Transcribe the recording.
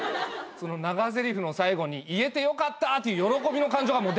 その長ぜりふの最後に言えてよかったっていう喜びの感情がもう出てたよ。